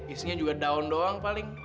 isinya juga daun doang paling